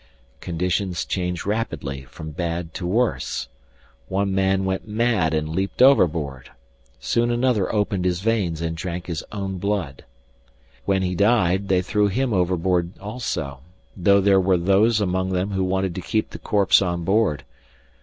Conditions changed rapidly from bad to worse. One man went mad and leaped overboard. Soon another opened his veins and drank his own blood. When he died they threw him overboard also, though there were those among them who wanted to keep the corpse on board.